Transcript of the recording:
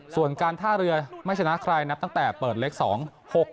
ส่วนการท่าเรือไม่ชนะใครตั้งแต่เปิดเลข๒